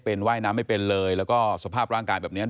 ก็ต้องมีการทดลองอื่น